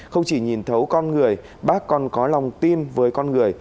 không chỉ nhìn thấu con người bác còn có lòng tin với con người